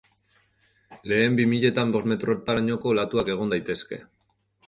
Lehen bi miletan bost metrorainoko olatuak egon daitezke.